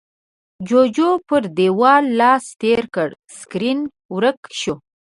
جُوجُو پر دېوال لاس تېر کړ، سکرين ورک شو.